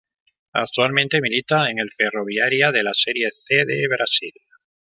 Actualmente milita en el Ferroviária de la Serie C de Brasil.